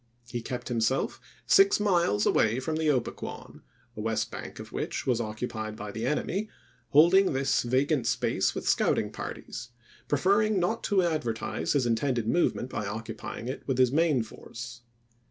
He kept himself six miles away from the Opequon, the west bank of which was occupied by the enemy, holding this vacant space with scouting parties, preferring not to advertise his intended movement by occupying 298 ABRAHAM LINCOLN ch. xiii. it with his main force.